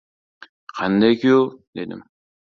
— Qanday kuyov? — dedim.